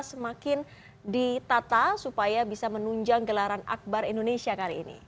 semakin ditata supaya bisa menunjang gelaran akbar indonesia kali ini